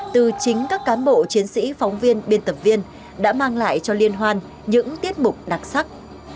từ chính các cán bộ chiến sĩ phóng viên biên tập viên đã mang lại cho liên hoan những tiết mục đặc sắc